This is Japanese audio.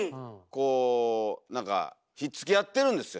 こうなんかひっつき合ってるんですよ